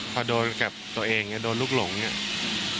พอโดนตัวเองโดนรุกหลงนี่